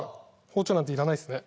包丁なんていらないですね